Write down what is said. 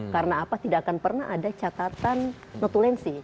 karena apa tidak akan pernah ada catatan notulensi